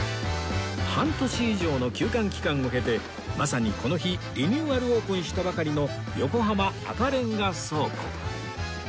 半年以上の休館期間を経てまさにこの日リニューアルオープンしたばかりの横浜赤レンガ倉庫